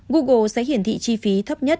google sẽ hiển thị chi phí thấp nhất